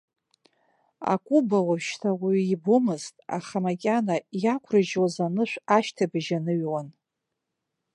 Акәыба уажәшьҭа уаҩы ибомызт, аха макьана иақәрыжьуаз анышә ашьҭыбжь аныҩуан.